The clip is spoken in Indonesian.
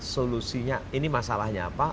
solusinya ini masalahnya apa